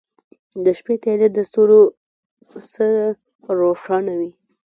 • د شپې تیاره د ستورو سره روښانه وي.